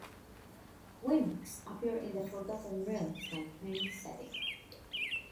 Wemics appear in the "Forgotten Realms" campaign setting.